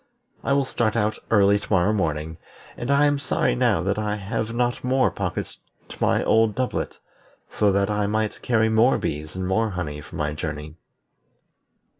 I will start early to morrow morning, and I am sorry now that I have not more pockets to my old doublet, so that I might carry more bees and more honey for my journey."